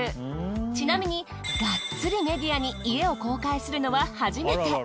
ちなみにがっつりメディアに家を公開するのは初めて。